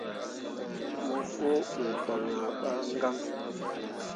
Mo fu ɓu ban ah ɓa gaŋ.